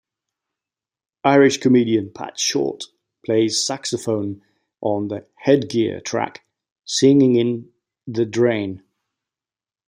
Irish comedian Pat Shortt plays saxophone on the "Headgear" track "Singin' in The Drain".